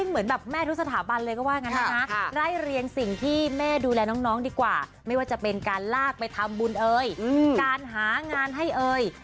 ไม่ว่าจะเป็นการลากไปทำบุญเอยการหางานให้เอย